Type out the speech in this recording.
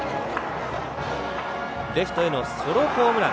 レフトへのソロホームラン。